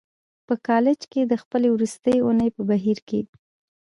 په کالج کې د خپلې وروستۍ اونۍ په بهير کې.